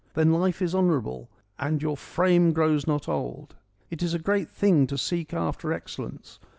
Then life is honourable and your frame EURIPIDES 103 grows not old. It is a great thing to seek after excellence.